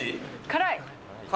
辛い。